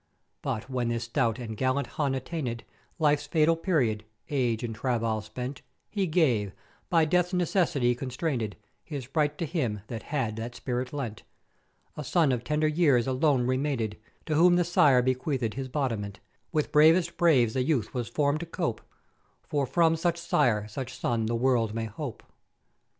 "But when this stout and gallant Hun attainèd Life's fatal period, age and travail spent, he gave, by Death's necessity constrainèd, his sprite to him that had that spirit lent: A son of tender years alone remainèd, to whom the Sire bequeath'd his 'bodiment; with bravest braves the youth was formed to cope, for from such sire such son the world may hope.